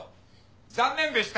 残念でした